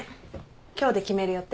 今日で決める予定。